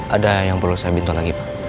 ada yang perlu saya bintun lagi pak